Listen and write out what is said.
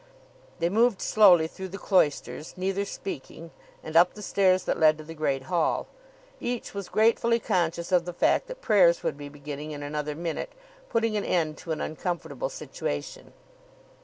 They moved slowly through the cloisters, neither speaking, and up the stairs that led to the Great Hall. Each was gratefully conscious of the fact that prayers would be beginning in another minute, putting an end to an uncomfortable situation.